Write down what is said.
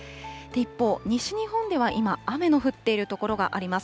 一方、西日本では今、雨の降っている所があります。